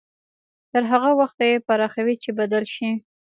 تر هغه وخته يې پراخوي چې بدل شي.